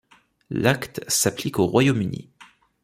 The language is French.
L'Acte s'applique au Royaume-Uni.